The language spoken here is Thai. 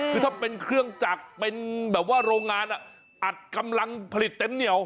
คือถ้าเป็นเครื่องจากโรงงานอ่ะอันกำลังผลิตเต็มเหนียว